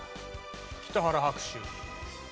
北原白秋。